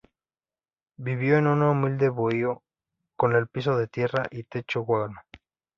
Vivió en un humilde bohío con el piso de tierra y techo de guano.